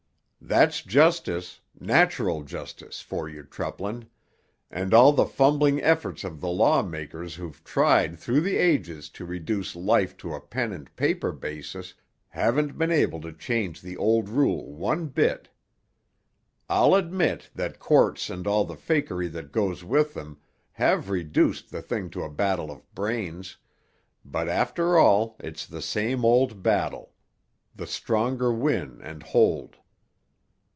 That's justice—natural justice for you, Treplin; and all the fumbling efforts of the lawmakers who've tried through the ages to reduce life to a pen and paper basis haven't been able to change the old rule one bit. "I'll admit that courts and all the fakery that goes with them have reduced the thing to a battle of brains, but after all it's the same old battle; the stronger win and hold.